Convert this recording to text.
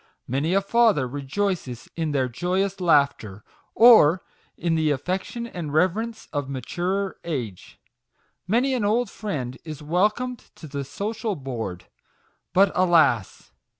Many a father rejoices in their joyous laughter, or in the affection and reverence of maturer age. Many an old friend is welcomed to the social board. But, alas